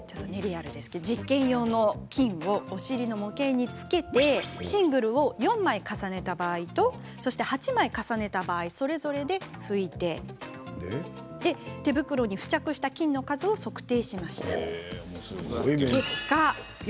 実験用の菌をお尻の模型につけてシングルを４枚重ねた場合と８枚重ねた場合それぞれで拭いて手袋に付着した菌の数を測定。